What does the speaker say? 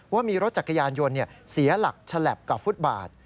ว่ามีรถจักรยานยนต์เสียหลักฉลับกับฟุตบาท